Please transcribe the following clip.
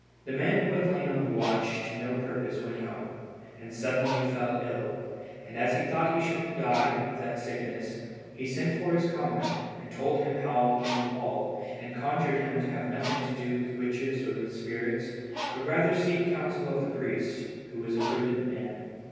The man who had lain on the watch to no purpose went home, and suddenly fell ill; and as he thought he should die of that sickness, he sent for his comrade, and told him how he knew all, and conjured him not to have anything to do with witches or with spirits, but rather to seek counsel of the priest, who was a prudent man.